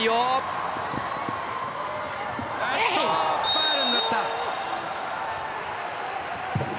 ファウルになった。